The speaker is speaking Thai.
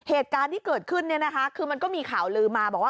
เหตุการณ์ที่เกิดขึ้นเนี่ยนะคะคือมันก็มีข่าวลืมมาบอกว่า